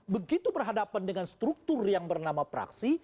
begitu berhadapan dengan struktur yang bernama praksi